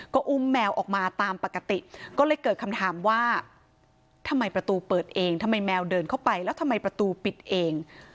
ก็อุ้มแมวออกมาตามปกติก็เลยเกิดคำถามว่าทำไมประตูเปิดเองทำไมแมวเดินเข้าไปแล้วทำไมประตูปิดเอง